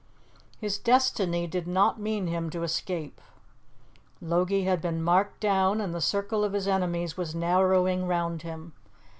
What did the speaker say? His destiny did not mean him to escape. Logie had been marked down, and the circle of his enemies was narrowing round him.